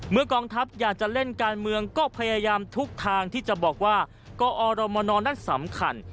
กองทัพอยากจะเล่นการเมืองก็พยายามทุกทางที่จะบอกว่ากอรมนนั้นสำคัญ